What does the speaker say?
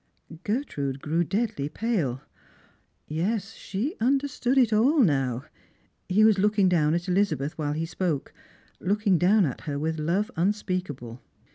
]' Gertrude grew deadly pale. Yes, she understood it all now. He was looking down at Elizabeth while he spoke — looking down at her with love unspeakable.